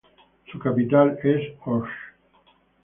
Su capital es Osh.